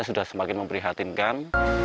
sudah semakin memprihatinkan